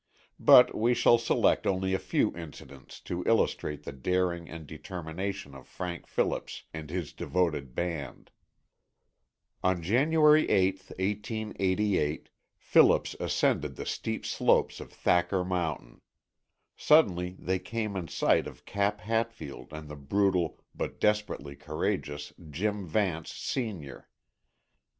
But we shall select only a few incidents to illustrate the daring and determination of Frank Phillips and his devoted band. On January 8th, 1888, Phillips ascended the steep slopes of Thacker mountain. Suddenly they came in sight of Cap Hatfield and the brutal, but desperately courageous Jim Vance, Sr.